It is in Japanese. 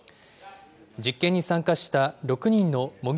実験に参加した６人の模擬